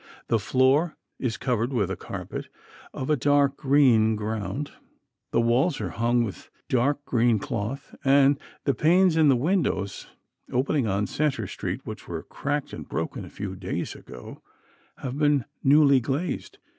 The floor is covered with a carpet of a dark green ground. The walls are hung with dark green cloth, and the panes in the windows, opening on Centre Street, which were cracked and broken a few days ago, have been newly glazed.